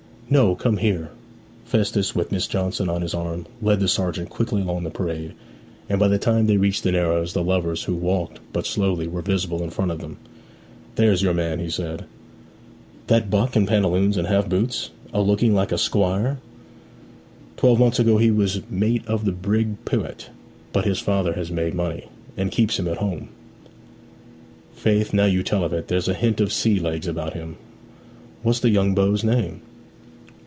'No come here.' Festus, with Miss Johnson on his arm, led the sergeant quickly along the parade, and by the time they reached the Narrows the lovers, who walked but slowly, were visible in front of them. 'There's your man,' he said. 'That buck in pantaloons and half boots a looking like a squire?' 'Twelve months ago he was mate of the brig Pewit; but his father has made money, and keeps him at home.' 'Faith, now you tell of it, there's a hint of sea legs about him. What's the young beau's name?'